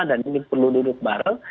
dan ini perlu duduk bareng